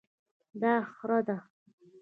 دا خره ده